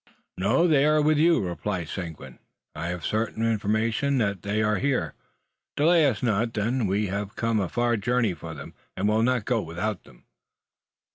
"No; they are with you," replies Seguin. "I have certain information that they are here. Delay us not, then! We have come a far journey for them, and will not go without them."